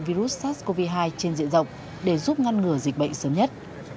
virus sars cov hai trên diện rộng để giúp ngăn ngừa dịch bệnh sớm nhất